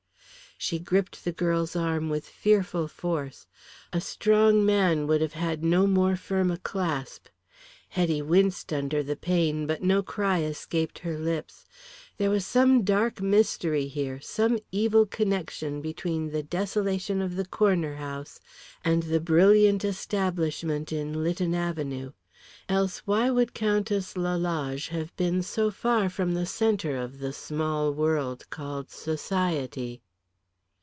She gripped the girl's arm with fearful force. A strong man would have had no more firm a clasp. Hetty winced under the pain, but no cry escaped her lips. There was some dark mystery here, some evil connexion between the desolation of the Corner House and the brilliant establishment in Lytton Avenue. Else why would Countess Lalage have been so far from the centre of the small world called Society?